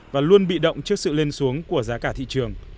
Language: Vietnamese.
và luôn bị động trước sự lên xuống của giá cả thị trường